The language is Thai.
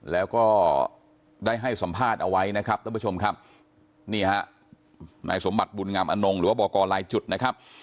แล้วก็ได้ให้สัมภาษณ์เอาไว้นะครับท่านผู้ชมครับนี่ฮะนายสมบัติบุญงามอนงหรือว่าบอกกรลายจุดนะครับ